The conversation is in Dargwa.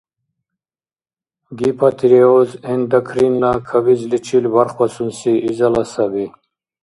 Гипотиреоз – эндокринла кабизличил бархбасунси изала саби.